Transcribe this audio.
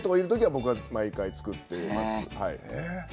僕が毎回作っています。